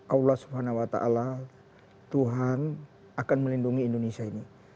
allah swt tuhan akan melindungi indonesia ini